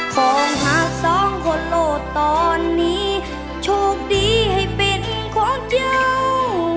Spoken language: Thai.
ของหากสองคนโหลดตอนนี้โชคดีให้เป็นของเจ้า